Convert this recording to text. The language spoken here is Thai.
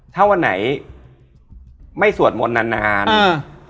กลัวมาก